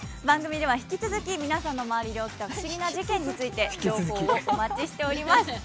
番組では引き続き皆さんの周りで起きた不思議な事件について情報をお待ちしております。